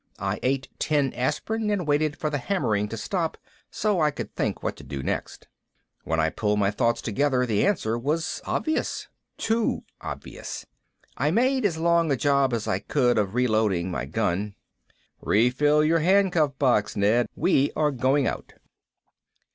I ate ten aspirin and waited for the hammering to stop so I could think what to do next. When I pulled my thoughts together the answer was obvious. Too obvious. I made as long a job as I could of reloading my gun. "Refill your handcuff box, Ned. We are going out."